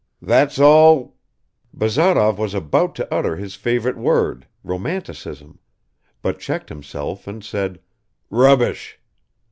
That's all ...," Bazarov was about to utter his favorite word "romanticism," but checked himself and said "rubbish."